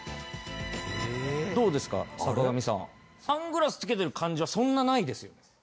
サングラスつけてる感じはそんなないですよね？